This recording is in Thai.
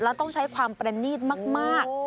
แล้วต้องใช้ความประนีตมาก